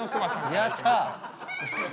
やった！